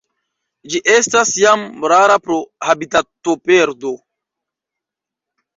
Ĝi estas jam rara pro habitatoperdo.